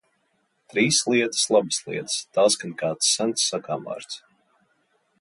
Trīs lietas labas lietas, tā skan kāds sens sakāmvārds.